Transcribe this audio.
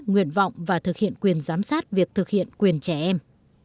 nguyện vọng và thực hiện quyền giám sát việc thực hiện quyền trẻ em